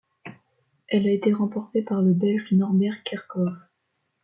Elle a été remportée par le Belge Norbert Kerckhove.